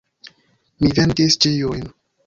Mi venkis ĉiujn.